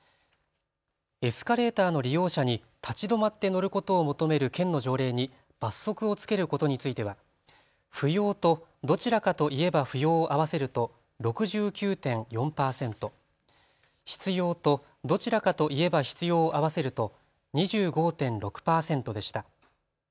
エスカレーターの利用者に立ち止まって乗ることを求める県の条例に罰則をつけることについては不要と、どちらかといえば不要を合わせると６９．４％、必要と、どちらかといえば必要を合わせると２５．６％でした。